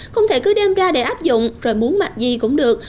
không thể cứ đem ra để áp dụng rồi muốn mặc gì cũng được